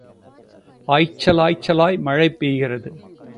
ஆய்ச்சல் ஆய்ச்சலாய் மழை பெய்கிறது.